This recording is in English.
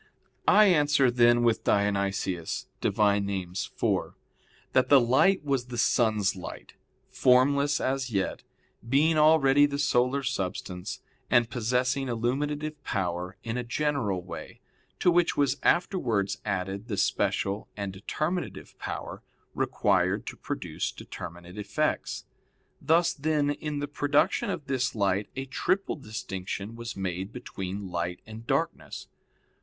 I answer, then, with Dionysius (Div. Nom. iv), that the light was the sun's light, formless as yet, being already the solar substance, and possessing illuminative power in a general way, to which was afterwards added the special and determinative power required to produce determinate effects. Thus, then, in the production of this light a triple distinction was made between light and darkness.